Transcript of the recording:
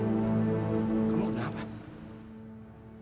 kamu nggak mau jalan bareng sama aku hari ini